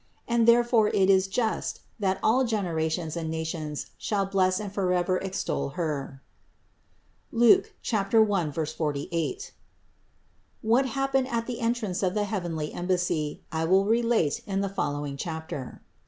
And therefore it is just, that all gen erations and nations shall bless and forever extol Her (Luke 1, 48). What happened at the entrance of the heavenly embassy, I will relate in the following chapter.